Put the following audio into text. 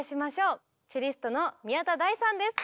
チェリストの宮田大さんです！